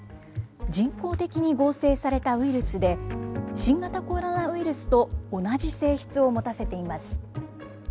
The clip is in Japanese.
人工的に合成されたウイルスで、新型コロナウイルスと同じ性質を持たせています。